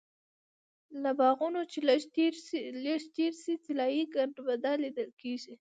له باغونو چې لږ تېر شې طلایي ګنبده لیدل کېږي.